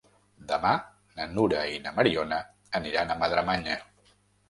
Demà na Nura i na Mariona aniran a Madremanya.